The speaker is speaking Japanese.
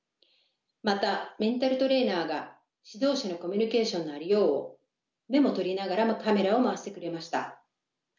またメンタルトレーナーが指導者のコミュニケーションのありようをメモとりながらもカメラを回してくれました。